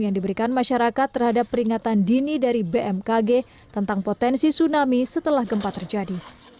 yang diberikan masyarakat terhadap peringatan dini dari bmkg tentang potensi tsunami setelah gempa terjadi